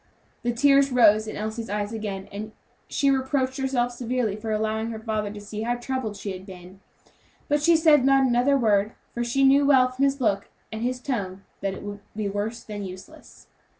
The tears rose in Elsie's eyes again, and she reproached herself severely for allowing her father to see how troubled she had been; but she said not another word, for she well knew from his look and tone that it would be worse than useless.